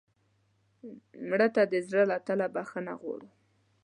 مړه ته د زړه له تله بښنه غواړو